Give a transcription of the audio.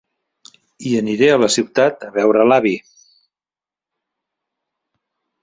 I aniré a la ciutat a veure l'avi.